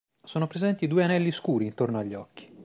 Sono presenti due anelli scuri intorno agli occhi.